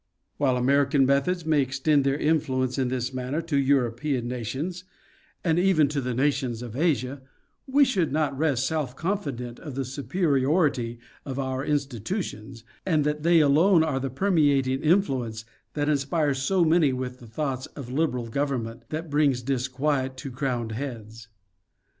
While American methods may extend their influence in this manner to Kuropean nations, and even to the nations of Asia, we should not rest self confident of the superiority of our institutions, and that they alone are the permeating influence that inspire so many with the thoughts of liberal government that brings dis quiet to crowned heads.